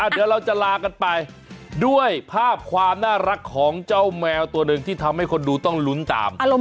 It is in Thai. เดี๋ยวเราจะลากันไปด้วยภาพความน่ารักของเจ้าแมวตัวหนึ่งที่ทำให้คนดูต้องลุ้นตาม